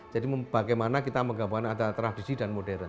jadi bagaimana kita menggabungkan antara tradisi dan modern